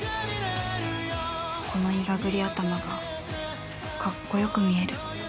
このいがぐり頭がかっこよく見える